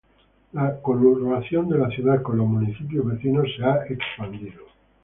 La conurbación de la ciudad con los municipios vecinos se ha expandido.